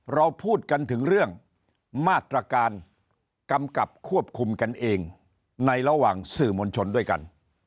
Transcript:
เราพูดกันถึงเรื่องมาตรการกำกับควบคุมกันเองในระหว่างสื่อมวลชนด้วยกัน